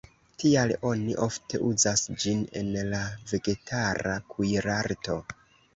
Tial oni ofte uzas ĝin en la vegetara kuirarto.